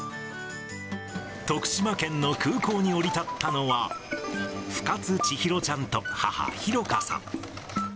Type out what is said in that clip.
徳島県の空港に降り立ったのは、深津千尋ちゃんと母、裕香さん。